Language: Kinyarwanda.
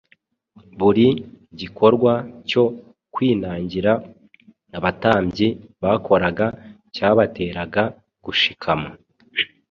buri gikorwa cyo kwinangira abatambyi bakoraga cyabateraga gushikama